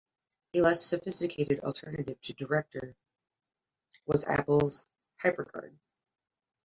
A less-sophisticated alternative to Director was Apple's HyperCard.